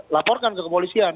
laporkan ke kepolisian